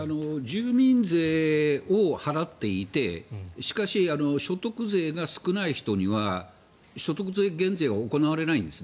住民税を払っていてしかし、所得税が少ない人には所得税減税は行われないんです。